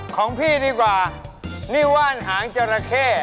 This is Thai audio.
ของพี่ดีกว่านี่ว่านหางจราเข้